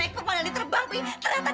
cepat balik arah